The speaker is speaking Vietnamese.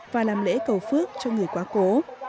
và làm lễ cầu phước cho người quá cố